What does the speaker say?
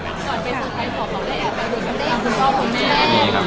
สกับสามารถพอตัวเนี้ยมารูปกับผู้แม่